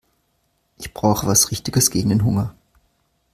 Ich brauche was Richtiges gegen den Hunger.